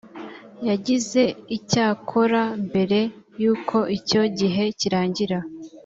yagize icyakora mbere y’uko icyo gihe kirangira